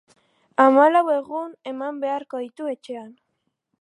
Hamalau egun eman beharko ditu etxean.